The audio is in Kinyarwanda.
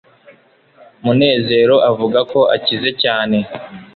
munezero avuga ko akize cyane